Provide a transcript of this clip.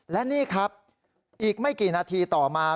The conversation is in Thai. และนี่ครับอีกไม่กี่นาทีต่อมา